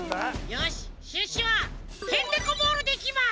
よしシュッシュはヘンテコボールでいきます！